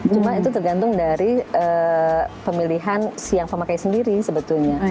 cuma itu tergantung dari pemilihan si yang pemakai sendiri sebetulnya